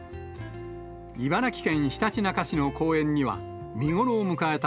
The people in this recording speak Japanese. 茨城県ひたちなか市の公園には、見頃を迎えた